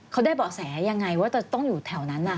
เขาได้เบาะแสยังไงว่าจะต้องอยู่แถวนั้น